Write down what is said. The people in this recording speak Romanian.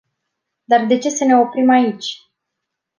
Dar de ce să ne oprim aici?